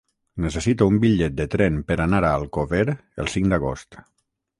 Necessito un bitllet de tren per anar a Alcover el cinc d'agost.